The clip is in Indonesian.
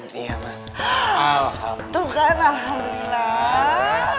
tuh kan alhamdulillah